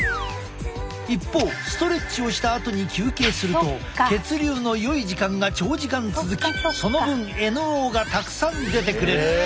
一方ストレッチをしたあとに休憩すると血流のよい時間が長時間続きその分ＮＯがたくさん出てくれる。